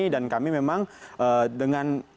dan kami memang dengan